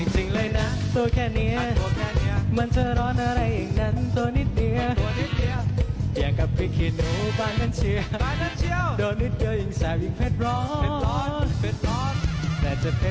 หมาฟัดกับตัวเฮียใครชนะดูคลิปนี้ค่ะ